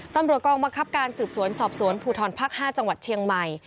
ตำรวจกองบังคับการสืบสวนสอบสวนภูทรภาค๕จังหวัดเชียงใหม่